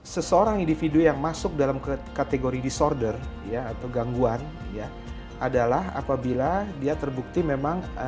seseorang individu yang masuk dalam kategori disorder atau gangguan adalah apabila dia terbukti memang